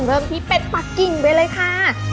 เริ่มที่เป็ดปากกิ่งไปเลยค่ะ